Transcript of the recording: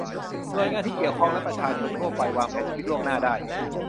หน่วยงานที่เกี่ยวข้องและประชาชนทั่วไปวางแผนชีวิตล่วงหน้าได้